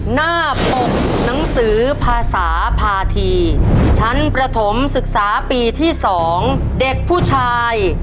หน้าปกหนังสือภาษาภาษีชั้นประถมศึกษาปีที่๒เด็กผู้ชาย